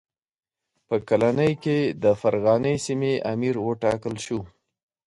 په کلنۍ کې د فرغانې سیمې امیر وټاکل شو.